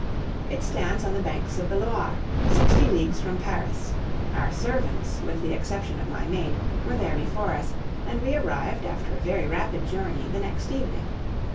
It stands on the banks of the Loire, sixty leagues from Paris. Our servants, with the exception of my maid, were there before us, and we arrived, after a very rapid journey, the next evening.